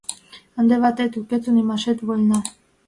Ынде ватет уке, тунемашет вольна...